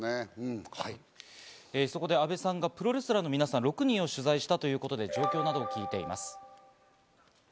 そこで阿部さんがプロレスラーの皆さん６人を取材したということで、状況などを聞いています。